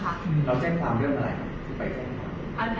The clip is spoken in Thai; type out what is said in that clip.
แล้วแจ้งความเรื่องอะไรครับ